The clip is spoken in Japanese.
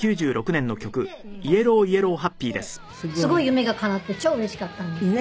すごい夢がかなって超うれしかったんです。